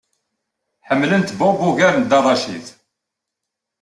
Ḥemmlent Bob ugar n Dda Racid.